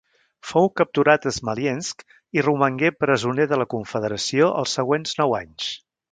Fou capturat a Smolensk i romangué presoner de la Confederació els següents nou anys.